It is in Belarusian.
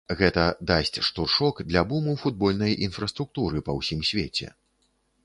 Гэта дасць штуршок для буму футбольнай інфраструктуры па ўсім свеце.